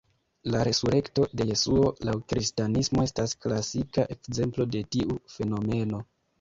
La resurekto de Jesuo laŭ Kristanismo estas klasika ekzemplo de tiu fenomeno.